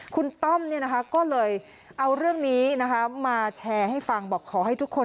คุณต้อมเนี่ยนะคะก็เลยเอาเรื่องนี้นะคะมาแชร์ให้ฟังบอกขอให้ทุกคน